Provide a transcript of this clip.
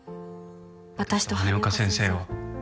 「私と羽根岡先生を」